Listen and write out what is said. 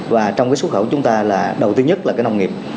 và trong cái xuất khẩu chúng ta là đầu tư nhất là cái nông nghiệp